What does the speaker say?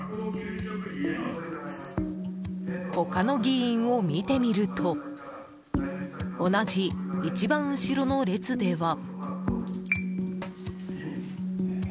他の議員を見てみると同じ一番後ろの列では。